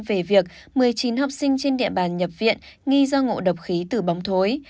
về việc một mươi chín học sinh trên địa bàn nhập viện nghi do ngộ độc khí từ bóng thối